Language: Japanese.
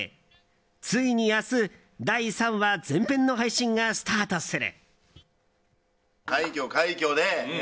ついに明日、第３話前編の配信がスタートする。